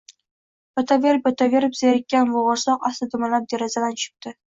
Yotaverib-yotaverib zerikkan bo’g’irsoq asta dumalab derazadan tushibdi